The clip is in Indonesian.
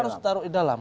harus ditaruh di dalam